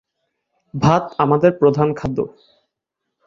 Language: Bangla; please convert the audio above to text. ভাত আমাদের প্রধান খাদ্য।